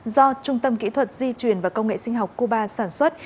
do trung tâm kỹ thuật di truyền và công nghệ sinh học cuba sản xuất